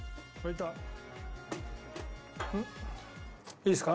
いいですか？